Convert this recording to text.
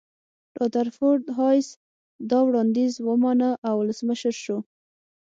رادرفورد هایس دا وړاندیز ومانه او ولسمشر شو.